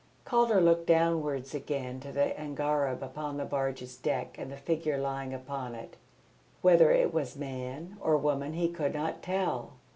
] Calder looked downwards again to the angareb upon the barge's deck and the figure lying upon it. Whether it was man or woman he could not tell.